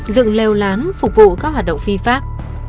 dựng lều lán phục vụ các hoạt động phi pháp